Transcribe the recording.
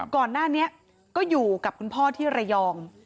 ก่อนหน้านี้ก็อยู่กับคุณพ่อที่ระยอง